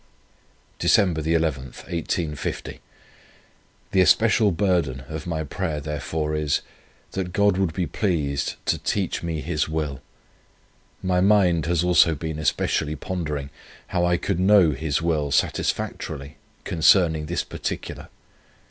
"Dec. 11, 1850. The especial burden of my prayer therefore is, that God would be pleased to teach me His will. My mind has also been especially pondering, how I could know His will satisfactorily concerning this particular.